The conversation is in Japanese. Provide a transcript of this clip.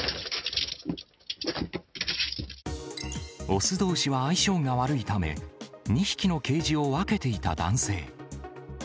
雄どうしは相性が悪いため、２匹のケージを分けていた男性。